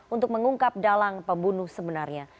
untuk mengungkap dalang pembunuh sebenarnya